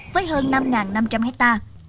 với hơn năm năm trăm linh hectare